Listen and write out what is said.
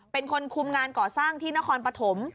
เป็นคนคุมงานก่อสร้างที่นครปฐม